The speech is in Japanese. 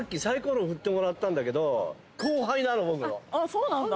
そうなんだ？